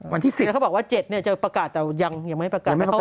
วันที่๑๐แล้วเขาบอกว่า๗จะประกาศแต่ยังไม่ประกาศ